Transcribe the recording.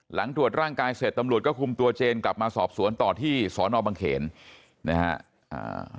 หลังตรวจร่างกายเสร็จตำรวจก็คุมตัวเจนกลับมาสอบสวนต่อที่สอนอบังเขนนะฮะอ่า